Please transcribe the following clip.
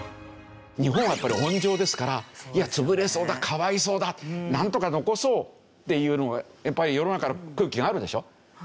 日本はやっぱり温情ですからいや潰れそうだかわいそうだなんとか残そうっていうのがやっぱり世の中の空気があるでしょ？